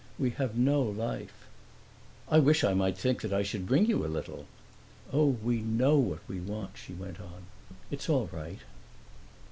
We have no life." "I wish I might think that I should bring you a little." "Oh, we know what we want," she went on. "It's all right."